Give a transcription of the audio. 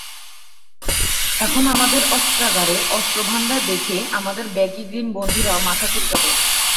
এখন আমাদের অস্ত্রাগারের অস্ত্রভান্ডার দেখে আমাদের ব্যাগি গ্রিন বন্ধুরাও মাথা চুলকাবে।